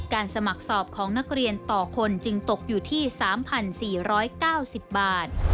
สมัครสอบของนักเรียนต่อคนจึงตกอยู่ที่๓๔๙๐บาท